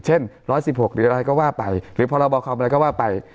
เช่น๑๑๖หรืออะไรก็ว่าไปหรือพรบคอมอะไรก็ว่าไป